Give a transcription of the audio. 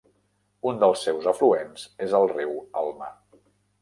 Un dels seus afluents és el riu Alma.